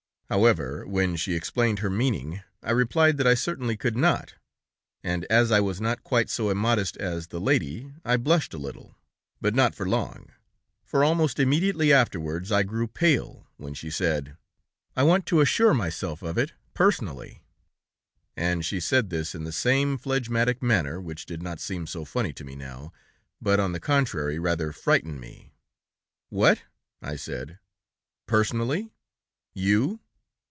"However, when she explained her meaning, I replied that I certainly could not, and as I was not quite so immodest as the lady, I blushed a little. But not for long, for almost immediately afterwards I grew pale, when she said: 'I want to assure myself of it, personally.' And she said this in the same phlegmatic manner, which did not seem so funny to me now, but, on the contrary, rather frightened me. 'What!' I said. 'Personally! You!